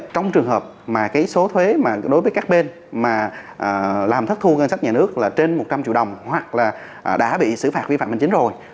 trong trường hợp mà cái số thuế mà đối với các bên mà làm thất thu ngân sách nhà nước là trên một trăm linh triệu đồng hoặc là đã bị xử phạt vi phạm hành chính rồi